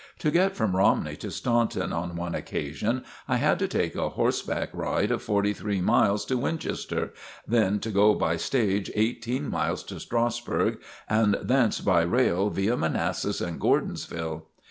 To get from Romney to Staunton on one occasion I had to take a horse back ride of forty three miles to Winchester, then to go by stage eighteen miles to Strasburg, and thence by rail via Manassas and Gordonsville.